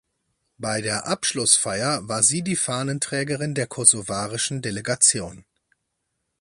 Bei der Abschlussfeier war sie die Fahnenträgerin der kosovarischen Delegation.